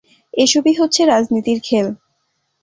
এসবই হচ্ছে রাজনীতির খেল!